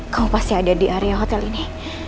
kau pasti ada di area hotel ini